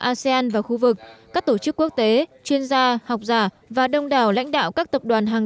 asean và khu vực các tổ chức quốc tế chuyên gia học giả và đông đảo lãnh đạo các tập đoàn hàng